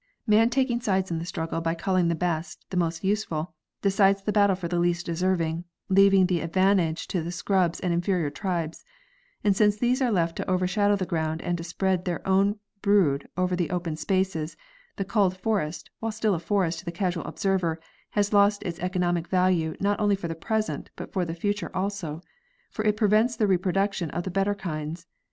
Man taking sides in the struggle by culling the best, the most useful, decides the battle for the least deserving, leaving the advantage to the scrubs and inferior tribes; and since these are left to overshadow the ground and to spread their own brood over the open spaces, the culled forest, while still a forest to the casual observer, has lost its economic value not only for the present, but for the future also, for it prevents the reproduction of the better kinds.